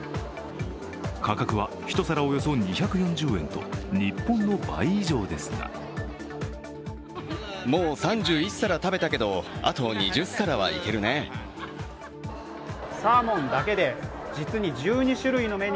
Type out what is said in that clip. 価格は１皿およそ２４０円と日本の倍以上ですがＬｅｏｎａｒｄｏ！